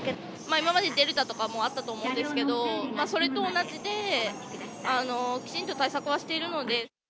今までデルタとかもあったと思うんですけど、それと同じで、きちんと対策はしているので。